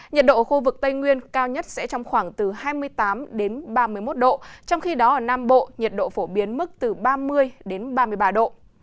nhiệt độ khu vực tây nguyên cao nhất sẽ trong khoảng từ hai mươi tám ba mươi một độ trong khi đó ở nam bộ nhiệt độ phổ biến mức từ ba mươi ba mươi ba độ